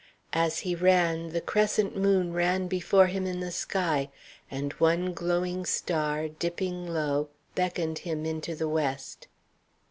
As he ran, the crescent moon ran before him in the sky, and one glowing star, dipping low, beckoned him into the west.